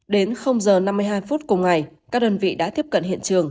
đến giờ năm mươi hai phút cùng ngày các đơn vị đã tiếp cận hiện trường